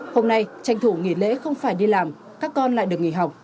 hôm nay tranh thủ nghỉ lễ không phải đi làm các con lại được nghỉ học